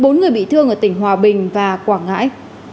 bốn người bị thương ở tỉnh hòa bình và quảng ngãi